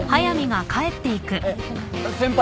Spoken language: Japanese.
えっ先輩。